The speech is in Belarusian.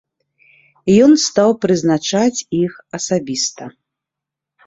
Ён стаў прызначаць іх асабіста.